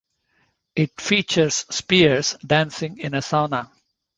It features Spears dancing in a sauna.